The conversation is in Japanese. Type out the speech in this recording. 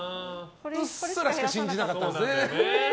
うっすらしか信じなかったんですね。